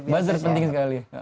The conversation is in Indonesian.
buzzer penting sekali